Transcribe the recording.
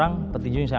ini biarin aja